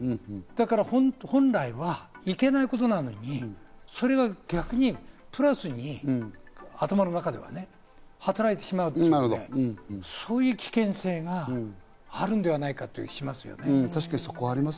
本来はいけないことなのに、それが逆にプラスに、頭の中では働いてしまうと、そういう危険性があるんではないかという気がする。